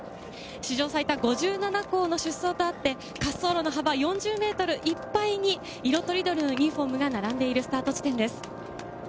史上最多５７校の出走とあって、滑走路の幅４０ｍいっぱいに色とりどりのユニホームが並んでいるスタート地点です。